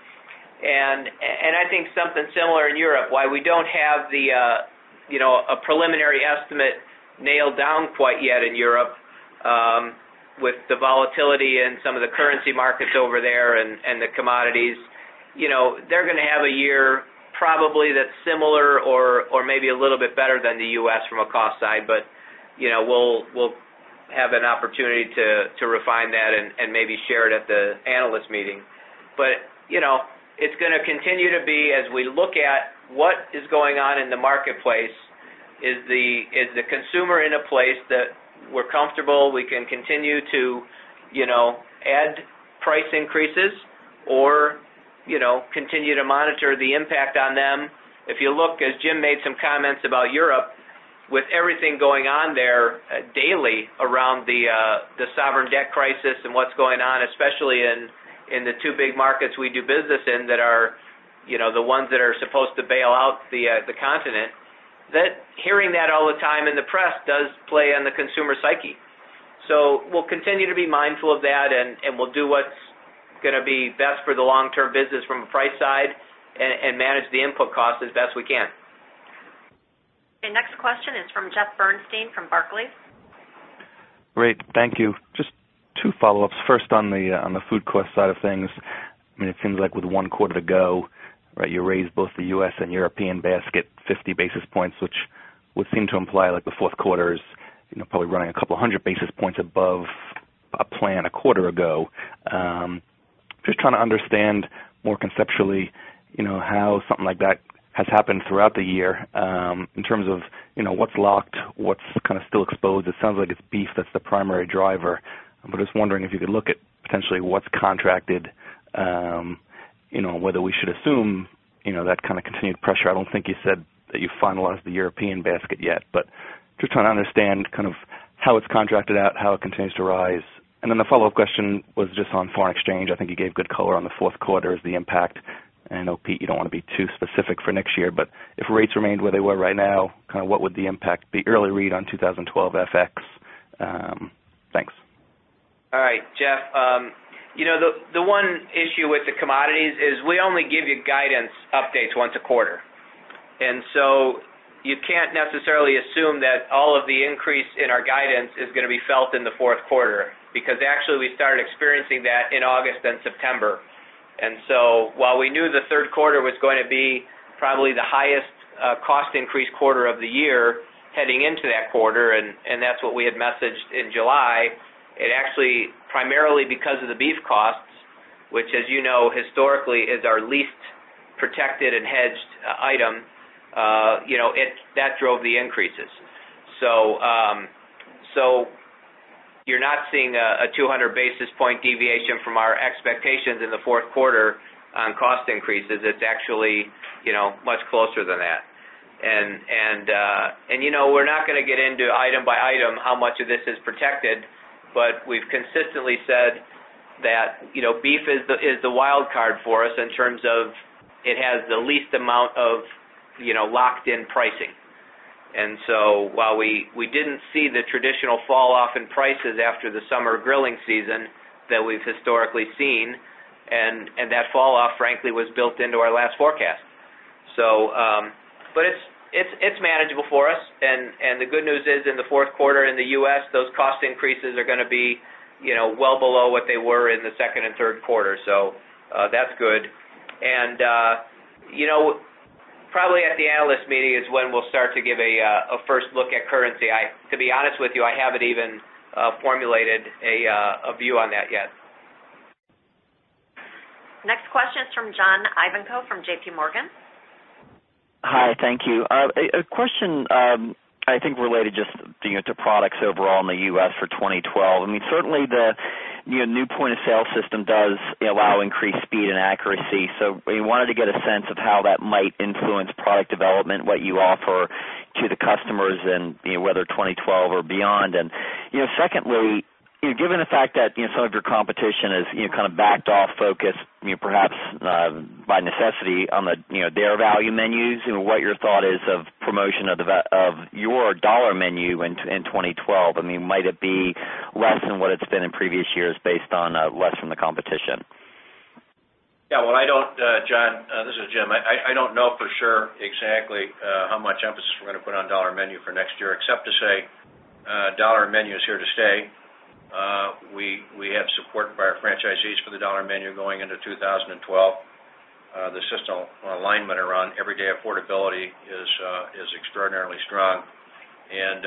I think something similar in Europe, why we don't have a preliminary estimate nailed down quite yet in Europe with the volatility in some of the currency markets over there and the commodities. They're going to have a year probably that's similar or maybe a little bit better than the U.S. from a cost side. We'll have an opportunity to refine that and maybe share it at the analyst meeting. It's going to continue to be as we look at what is going on in the marketplace. Is the consumer in a place that we're comfortable, we can continue to add price increases or continue to monitor the impact on them? If you look, as Jim made some comments about Europe, with everything going on there daily around the sovereign debt crisis and what's going on, especially in the two big markets we do business in that are the ones that are supposed to bail out the continent, hearing that all the time in the press does play on the consumer psyche. We'll continue to be mindful of that, and we'll do what's going to be best for the long-term business from a price side and manage the input costs as best we can. Okay. Next question is from Jeff Bernstein from Barclays. Great. Thank you. Just two follow-ups. First, on the food cost side of things, it seems like with one quarter to go, you raised both the U.S. and European basket 50 basis points, which would seem to imply the fourth quarter is probably running a couple hundred basis points above a plan a quarter ago. Just trying to understand more conceptually how something like that has happened throughout the year in terms of what's locked, what's kind of still exposed. It sounds like it's beef that's the primary driver. I'm just wondering if you could look at potentially what's contracted, whether we should assume that kind of continued pressure. I don't think you said that you finalized the European basket yet, just trying to understand how it's contracted out, how it continues to rise. The follow-up question was just on foreign exchange. I think you gave good color on the fourth quarter as the impact. I know, Pete, you don't want to be too specific for next year, but if rates remained where they were right now, what would the impact be? Early read on 2012 FX. Thanks. All right, Jeff. The one issue with the commodities is we only give you guidance updates once a quarter. You can't necessarily assume that all of the increase in our guidance is going to be felt in the fourth quarter because actually we started experiencing that in August and September. While we knew the third quarter was going to be probably the highest cost increase quarter of the year heading into that quarter, and that's what we had messaged in July, it actually was primarily because of the beef costs, which, as you know, historically is our least protected and hedged item. That drove the increases. You're not seeing a 200 basis point deviation from our expectations in the fourth quarter on cost increases. It's actually much closer than that. We're not going to get into item by item how much of this is protected, but we've consistently said that beef is the wild card for us in terms of it has the least amount of locked-in pricing. While we didn't see the traditional falloff in prices after the summer grilling season that we've historically seen, that falloff, frankly, was built into our last forecast. It's manageable for us. The good news is in the fourth quarter in the U.S., those cost increases are going to be well below what they were in the second and third quarter. That's good. Probably at the analyst meeting is when we'll start to give a first look at currency. To be honest with you, I haven't even formulated a view on that yet. Next question is from John Ivankoe from JPMorgan. Hi. Thank you. A question I think related just to products overall in the U.S. for 2012. Certainly the new point-of-sale system does allow increased speed and accuracy. We wanted to get a sense of how that might influence product development, what you offer to the customers in, you know, whether 2012 or beyond. Secondly, given the fact that some of your competition is kind of backed off, focused perhaps by necessity on their value menus, what your thought is of promotion of your Dollar Menu in 2012. Might it be less than what it's been in previous years based on less from the competition? I don't, John, this is Jim. I don't know for sure exactly how much emphasis we're going to put on Dollar Menu for next year, except to say Dollar Menu is here to stay. We have support for our franchisees for the Dollar Menu going into 2012. The system alignment around everyday affordability is extraordinarily strong, and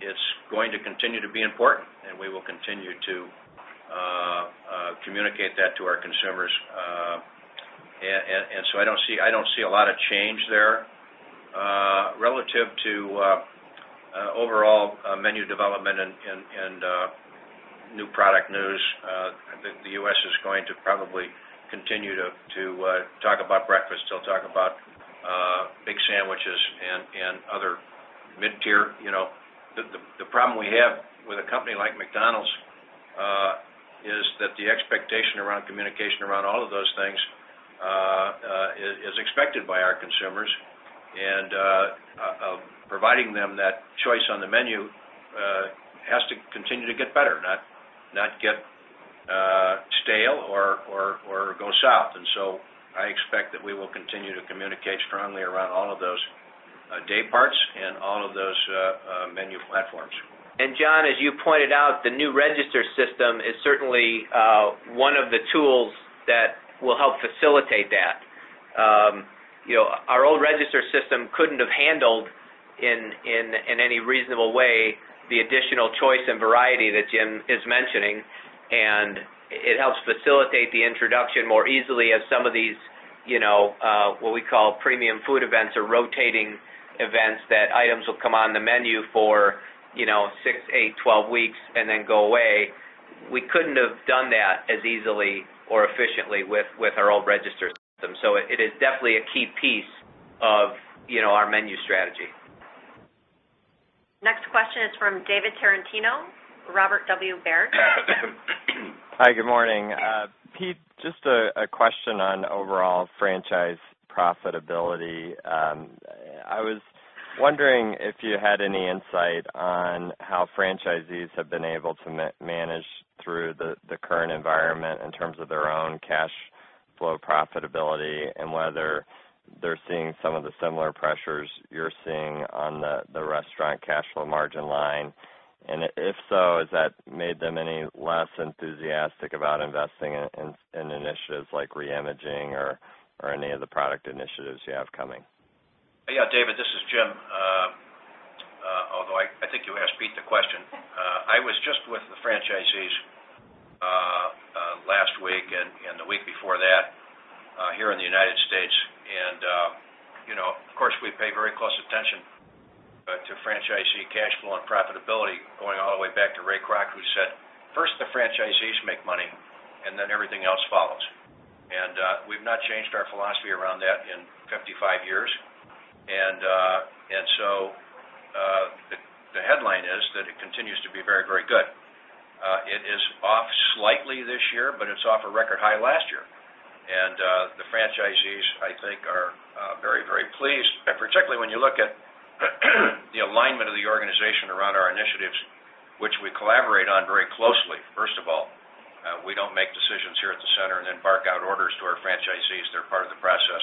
it's going to continue to be important. We will continue to communicate that to our consumers. I don't see a lot of change there relative to overall menu development and new product news. I think the U.S. is going to probably continue to talk about breakfast, still talk about big sandwiches, and other mid-tier. The problem we have with a company like McDonald's is that the expectation around communication around all of those things is expected by our consumers. Providing them that choice on the menu has to continue to get better, not get stale or go south. I expect that we will continue to communicate strongly around all of those day parts and all of those menu platforms. John, as you pointed out, the new register system is certainly one of the tools that will help facilitate that. Our old register system couldn't have handled in any reasonable way the additional choice and variety that Jim is mentioning. It helps facilitate the introduction more easily of some of these, what we call premium food events or rotating events that items will come on the menu for six, eight, 12 weeks and then go away. We couldn't have done that as easily or efficiently with our old register system. It is definitely a key piece of our menu strategy. Next question is from David Tarantino, Robert W. Baird. Hi. Good morning. Pete, just a question on overall franchise profitability. I was wondering if you had any insight on how franchisees have been able to manage through the current environment in terms of their own cash flow profitability and whether they're seeing some of the similar pressures you're seeing on the restaurant cash flow margin line. If so, has that made them any less enthusiastic about investing in initiatives like reimaging or any of the product initiatives you have coming? Yeah, David, this is Jim. Although I think you asked Pete the question, I was just with the franchisees last week and the week before that here in the United States. Of course, we pay very close attention to franchisee cash flow and profitability, going all the way back to Ray Kroc, who said, "First the franchisees make money, and then everything else follows." We've not changed our philosophy around that in 55 years. The headline is that it continues to be very, very good. It is off slightly this year, but it's off a record high last year. The franchisees, I think, are very, very pleased, particularly when you look at the alignment of the organization around our initiatives, which we collaborate on very closely. First of all, we don't make decisions here at the center and then park out orders to our franchisees. They're part of the process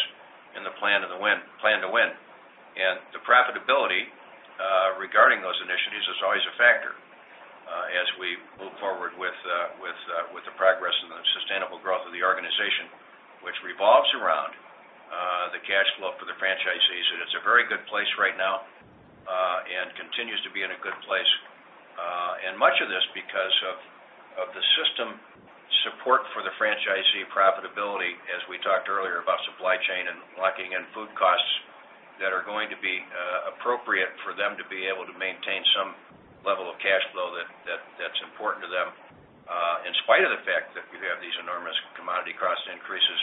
in the Plan to Win. The profitability regarding those initiatives is always a factor as we move forward with the progress and the sustainable growth of the organization, which revolves around the cash flow for the franchisees. It's a very good place right now and continues to be in a good place. Much of this is because of the system support for the franchisee profitability, as we talked earlier about supply chain and locking in food costs that are going to be appropriate for them to be able to maintain some level of cash flow that's important to them, in spite of the fact that you have these enormous commodity cost increases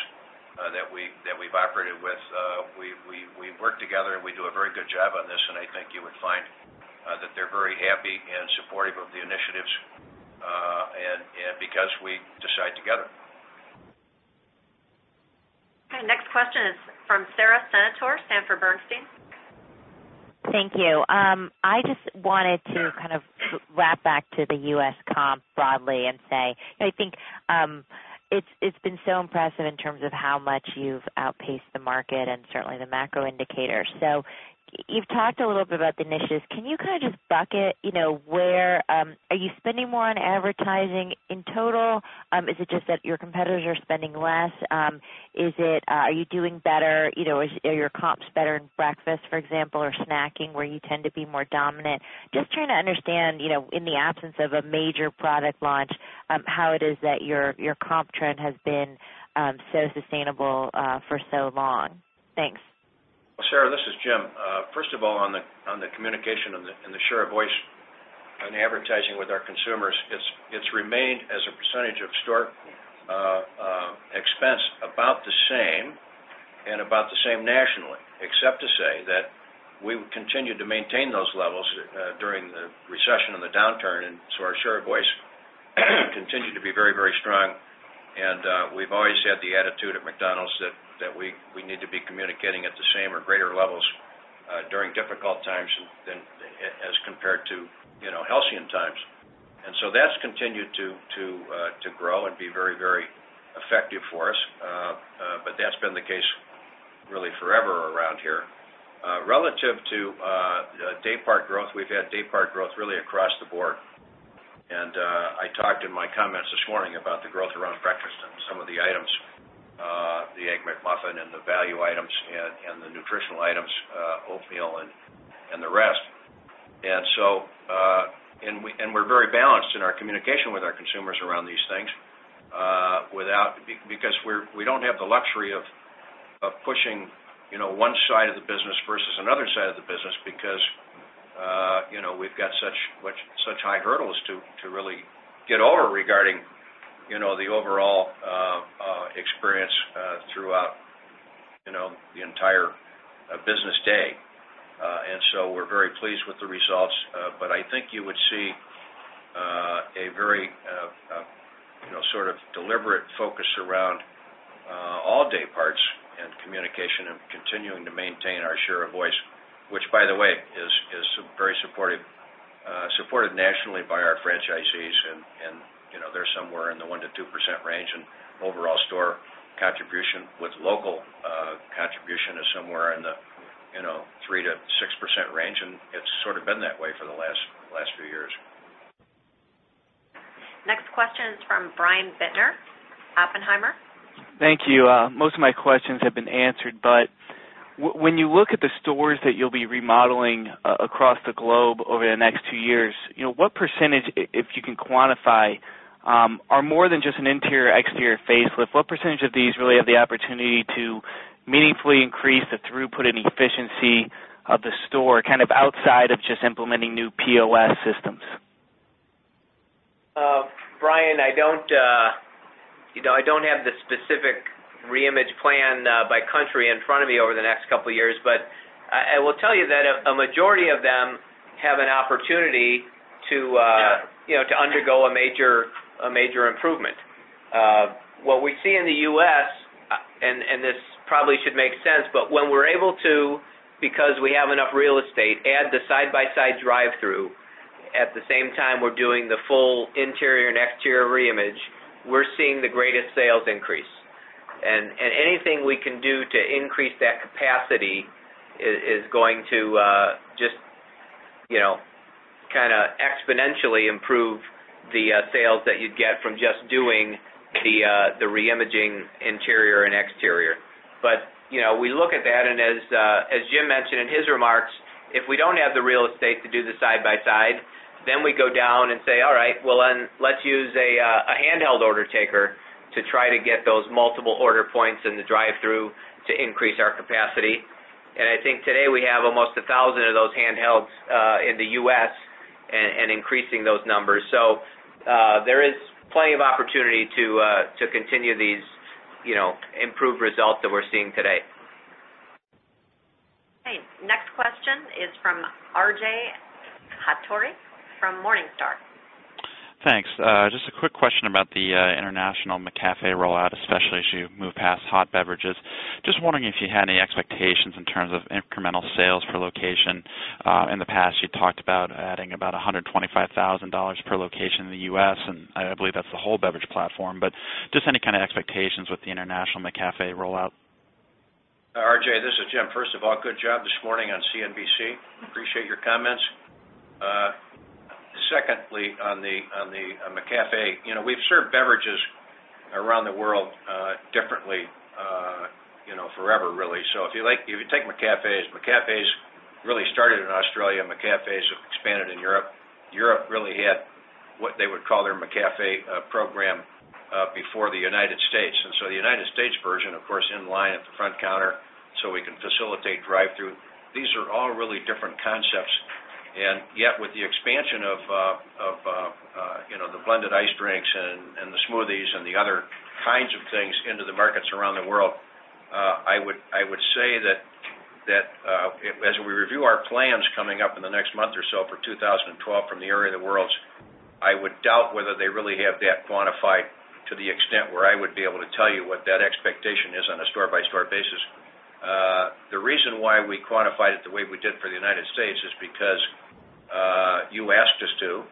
that we've operated with. We work together, and we do a very good job on this. I think you would find that they're very happy and supportive of the initiatives because we decide together. Okay. Next question is from Sara Senatore, Sanford Bernstein. Thank you. I just wanted to wrap back to the U.S. comp broadly and say, I think it's been so impressive in terms of how much you've outpaced the market and certainly the macro indicators. You've talked a little bit about the niches. Can you just bucket, you know, where are you spending more on advertising in total? Is it just that your competitors are spending less? Are you doing better? Are your comps better in breakfast, for example, or snacking, where you tend to be more dominant? Just trying to understand, in the absence of a major product launch, how it is that your comp trend has been so sustainable for so long. Thanks. Sarah, this is Jim. First of all, on the communication and the share of voice on advertising with our consumers, it's remained as a percentage of store expense about the same and about the same nationally, except to say that we would continue to maintain those levels during the recession and the downturn. Our share of voice continued to be very, very strong. We've always had the attitude at McDonald's that we need to be communicating at the same or greater levels during difficult times than as compared to, you know, healthier times. That's continued to grow and be very, very effective for us. That's been the case really forever around here. Relative to day part growth, we've had day part growth really across the board. I talked in my comments this morning about the growth around breakfast and some of the items, the Egg McMuffin and the value items and the nutritional items, oatmeal and the rest. We're very balanced in our communication with our consumers around these things because we don't have the luxury of pushing, you know, one side of the business versus another side of the business because, you know, we've got such high hurdles to really get over regarding, you know, the overall experience throughout, you know, the entire business day. We're very pleased with the results. I think you would see a very, you know, sort of deliberate focus around all day parts and communication and continuing to maintain our share of voice, which, by the way, is very supported nationally by our franchisees. They're somewhere in the 1%-2% range, and overall store contribution with local contribution is somewhere in the, you know, 3%-6% range. It's sort of been that way for the last few years. Next question is from Brian Bittner, Oppenheimer. Thank you. Most of my questions have been answered. When you look at the stores that you'll be remodeling across the globe over the next two years, what percentage if you can quantify, are more than just an interior/exterior facelift? What percentage of these really have the opportunity to meaningfully increase the throughput and efficiency of the store outside of just implementing new POS systems? Brian, I don't have the specific reimage plan by country in front of me over the next couple of years. I will tell you that a majority of them have an opportunity to undergo a major improvement. What we see in the U.S., and this probably should make sense, when we're able to, because we have enough real estate, add the side-by-side drive-thru at the same time we're doing the full interior and exterior reimage, we're seeing the greatest sales increase. Anything we can do to increase that capacity is going to exponentially improve the sales that you'd get from just doing the reimaging interior and exterior. We look at that. As Jim mentioned in his remarks, if we don't have the real estate to do the side-by-side, we go down and say, "All right, let's use a handheld order taker to try to get those multiple order points and the drive-thru to increase our capacity." I think today we have almost 1,000 of those handhelds in the U.S. and increasing those numbers. There is plenty of opportunity to continue these improved results that we're seeing today. Thanks. Next question is from R.J. Hottovy from Morningstar. Thanks. Just a quick question about the international McCafé rollout, especially as you move past hot beverages. Just wondering if you had any expectations in terms of incremental sales per location. In the past, you talked about adding about $125,000 per location in the U.S., and I believe that's the whole beverage platform. Just any kind of expectations with the international McCafé rollout? R.J., this is Jim. First of all, good job this morning on CNBC. Appreciate your comments. Secondly, on the McCafé, we've served beverages around the world differently, really forever. If you take McCafés, McCafés really started in Australia. McCafés have expanded in Europe. Europe really had what they would call their McCafé program before the United States. The United States version, of course, is in line at the front counter so we can facilitate drive-thru. These are all really different concepts. With the expansion of the blended ice drinks and the smoothies and the other kinds of things into the markets around the world, I would say that as we review our plans coming up in the next month or so for 2012 from the area of the world, I would doubt whether they really have that quantified to the extent where I would be able to tell you what that expectation is on a store-by-store basis. The reason why we quantified it the way we did for the United States is because you asked us to,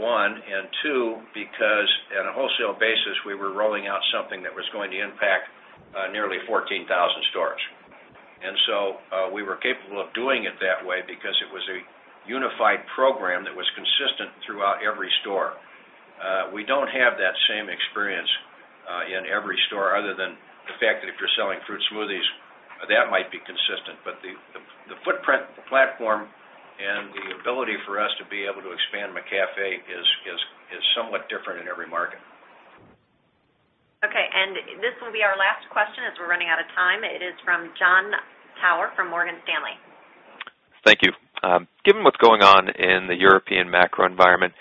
one, and two, because on a wholesale basis, we were rolling out something that was going to impact nearly 14,000 stores. We were capable of doing it that way because it was a unified program that was consistent throughout every store. We don't have that same experience in every store other than the fact that if you're selling fruit smoothies, that might be consistent. The footprint, the platform, and the ability for us to be able to expand McCafé is somewhat different in every market. Okay. This will be our last question as we're running out of time. It is from Jon Tower from Morgan Stanley. Thank you. Given what's going on in the European macro environment,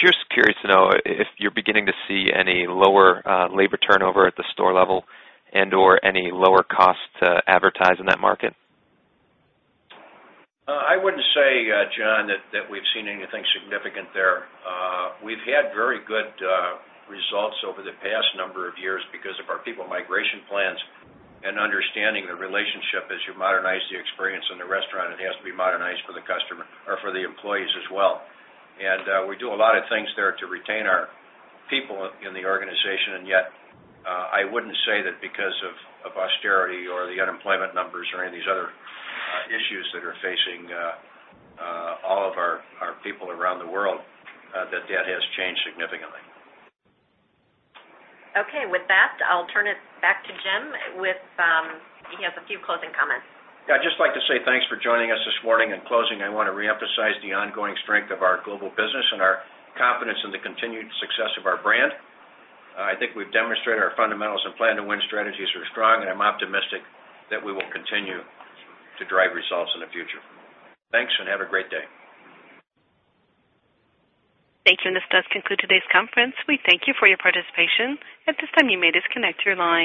just curious to know if you're beginning to see any lower labor turnover at the store level and/or any lower cost to advertise in that market? I wouldn't say, Jon, that we've seen anything significant there. We've had very good results over the past number of years because of our people migration plans and understanding the relationship. As you modernize the experience in the restaurant, it has to be modernized for the customer or for the employees as well. We do a lot of things there to retain our people in the organization. I wouldn't say that because of austerity or the unemployment numbers or any of these other issues that are facing all of our people around the world, that that has changed significantly. Okay. With that, I'll turn it back to Jim. He has a few closing comments. I'd just like to say thanks for joining us this morning. In closing, I want to reemphasize the ongoing strength of our global business and our confidence in the continued success of our brand. I think we've demonstrated our fundamentals and Plan to Win strategies are strong, and I'm optimistic that we will continue to drive results in the future. Thanks, and have a great day. Thank you. This does conclude today's conference. We thank you for your participation. At this time, you may disconnect your line.